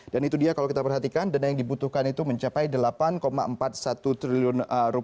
dan itu dia kalau kita perhatikan dana yang dibutuhkan itu mencapai rp delapan empat puluh satu triliun